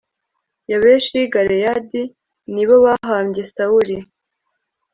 yabeshi y i galeyadi ni bo bahambye sawuli